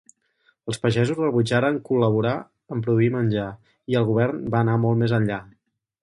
Els pagesos rebutjaren col·laborar en produir menjar, i el govern va anar molt més enllà.